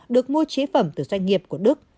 được mua chế phẩm từ doanh nghiệp của đức